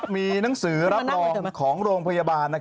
มีหนังสือรับรองของโรงพยาบาล